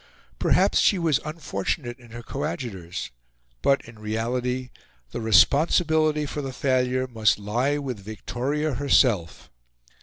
Perhaps she was unfortunate in her coadjutors, but, in reality, the responsibility for the failure must lie with Victoria herself.